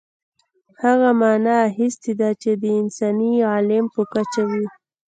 هغه معنا اخیستې ده چې د انساني عالم په کچه وي.